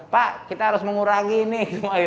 pak kita harus mengurangi ini